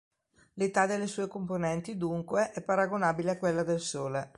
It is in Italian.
L'età delle sue componenti dunque è paragonabile a quella del Sole.